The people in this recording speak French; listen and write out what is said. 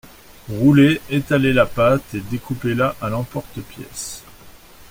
Roulez, étalez la pâte et découpez-la à l’emporte-pièce.